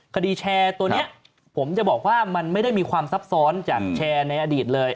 คดีแชร์ตัวนี้ผมจะบอกว่ามันไม่ได้มีความซับซ้อนจากแชร์ในอดีตเลย